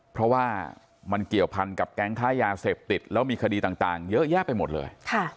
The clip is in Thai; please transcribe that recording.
เพราะว่ามันเกี่ยวพันกับแก๊งค้ายาเสพติดแล้วมีคดีต่างเยอะแยะไปหมดเลย